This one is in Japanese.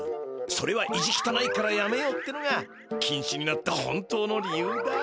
それは意地きたないからやめようってのがきんしになった本当の理由だ。